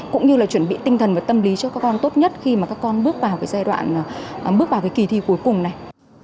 cũng như là chuẩn bị tinh thần và tâm lý cho các con tốt nhất khi mà các con bước vào cái giai đoạn bước vào cái kỳ thi cuối cùng này